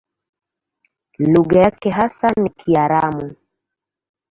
Lugha yake hasa ni Kiaramu.